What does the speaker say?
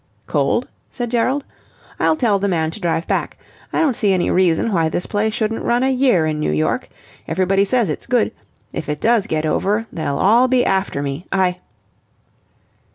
"Cold?" said Gerald. "I'll tell the man to drive back... I don't see any reason why this play shouldn't run a year in New York. Everybody says it's good... if it does get over, they'll all be after me. I..."